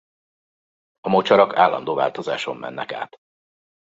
A mocsarak állandó változáson mennek át.